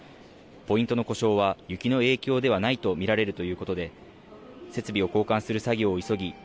ポイントの故障は雪の影響ではないと見られるということで設備を交換する作業を急ぎ